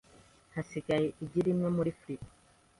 Hasigaye igi rimwe muri firigo .